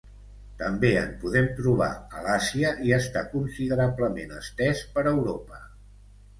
També en podem trobar a l'Àsia i està considerablement estès per Europa.